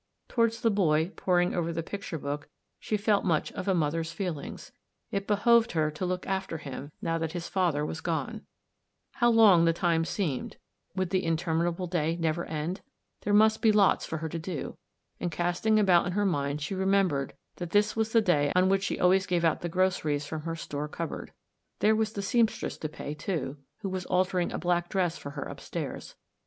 Toward the boy poring over the picture book she felt much of a mother's feeling ; it behooved her to look after him now that his father was gone. How long the time seemed — would the interminable day never end? AN END AND A BEGINNING. If There must be lots for her to do. And cast ing about in her mind, she remembered that this was the day on which she always gave out the groceries from her store cupboard; there was the seamstress to pay, too, who was altering a black dress for her upstairs.